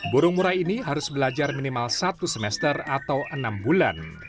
burung murai ini harus belajar minimal satu semester atau enam bulan